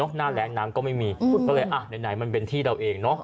หน้าแรงน้ำก็ไม่มีก็เลยอ่ะไหนมันเป็นที่เราเองเนอะ